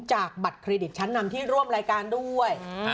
จากบัตรเครดิตชั้นนำที่ร่วมรายการด้วย